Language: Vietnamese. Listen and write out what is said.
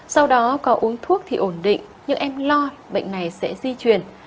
sau đó có uống thuốc thì ổn định nhưng em lo bệnh này sẽ di chuyển